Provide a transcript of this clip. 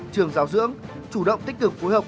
trường giáo dưỡng chủ động tích cực phối hợp